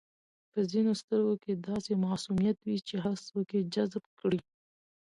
په ځینو سترګو کې داسې معصومیت وي چې هر څوک یې جذب کړي.